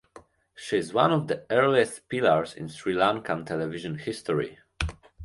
She is one of the earliest pillars in Sri Lankan television history.